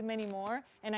ya tentu saja